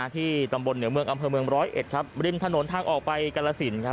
ที่ตำบลเหนือเมืองอำเภอเมืองร้อยเอ็ดครับริมถนนทางออกไปกรสินครับ